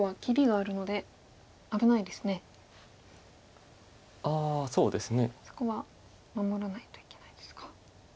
あそうですね。そこは守らないといけないですか。